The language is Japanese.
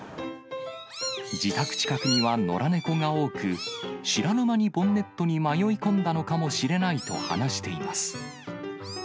自宅近くには野良猫が多く、知らぬ間にボンネットに迷い込んだのかもしれないと話しています。